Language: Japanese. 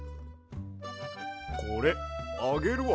これあげるわ。